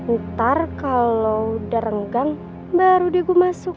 ntar kalau udah renggang baru deh gue masuk